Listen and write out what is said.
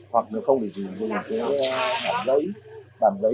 hoặc là không thì chỉ dùng một cái bản giấy